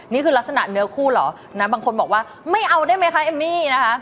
นี่คือลักษณะเนื้อคู่เหรอนะบางคนบอกว่าไม่เอาได้ไหมคะเอมมี่นะคะ